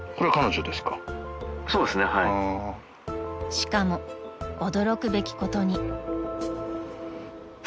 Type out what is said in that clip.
［しかも驚くべきことに］